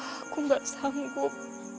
aku gak sanggup